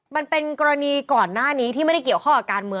มันเป็นกรณีก่อนหน้านี้ที่ไม่ได้เกี่ยวข้องกับการเมือง